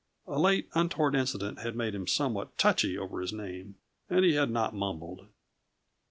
A late, untoward incident had made him somewhat touchy over his name, and he had not mumbled.